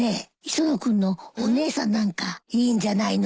磯野君のお姉さんなんかいいんじゃないの？